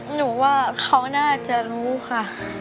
หนูว่าเขาน่าจะรู้ค่ะ